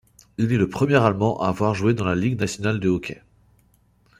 Il est le premier allemand à avoir joué dans la Ligue nationale de hockey.